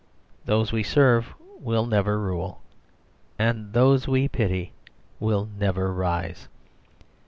Those we serve will never rule, and those we pity will never rise.